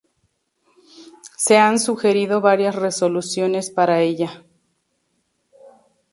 Se han sugerido varias resoluciones para ella.